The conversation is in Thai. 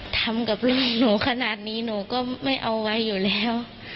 ทำกับลูกหนูขนาดนี้หนูก็ไม่เอาไว้อยู่แล้ว